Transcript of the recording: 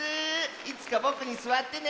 いつかぼくにすわってね。